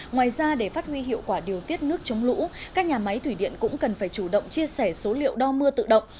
ngoài ra để phát huy hiệu quả điều tiết nước chống lũ các nhà máy thủy điện cũng cần phải chủ động chia sẻ số liệu đo mưa tự động